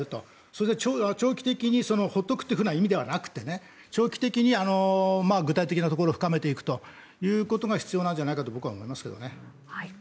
それで長期的に放っておくという意味ではなくて長期的に具体的なところを深めていくということが僕は必要なんじゃないかと思いますけどね。